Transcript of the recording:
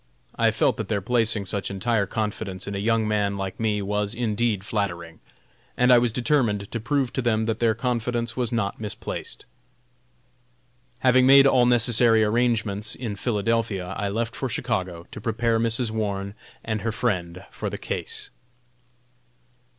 I felt that their placing such entire confidence in a young man like me was indeed flattering, and I was determined to prove to them that their confidence was not misplaced. Having made all necessary arrangements in Philadelphia, I left for Chicago to prepare Mrs. Warne and her friend for the case.